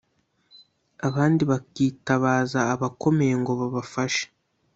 abandi bakitabaza abakomeye ngo babafashe